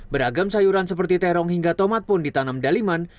beragam sayuran seperti terong hingga tomat pun ditanam daliman